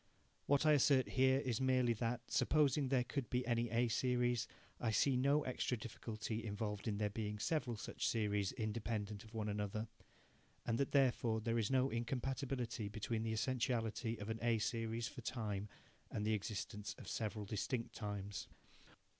What I assert here is merely that, supposing that there could be any A series, I see no extra difficulty involved in there being several such series independent of one another, and that therefore there is no incompatibility between the essentiality of an A series for time and the existence of several distinct times.